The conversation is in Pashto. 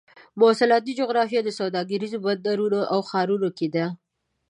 مواصلاتي جغرافیه د سوداګریزو بندرونو او ښارونو کې ده.